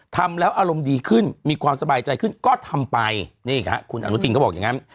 ทำแล้วอารมณ์ดีขึ้นมีความสบายใจขึ้นก็ทำไปนี่ค่ะคุณอนุทินก็บอกอย่างงั้น